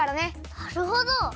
なるほど。